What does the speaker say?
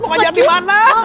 mau ngajar di mana